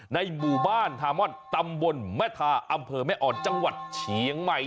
ในหมู่บ้านทามอนตำบลแม่ทาอำเภอแม่อ่อนจังหวัดเชียงใหม่